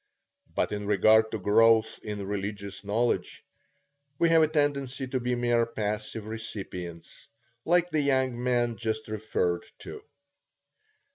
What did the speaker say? But in regard to growth in religious knowledge, we have a tendency to be mere passive recipients, like the young man just referred to.